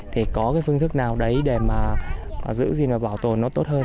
thì có cái phương thức nào đấy để mà giữ gì mà bảo tồn nó tốt hơn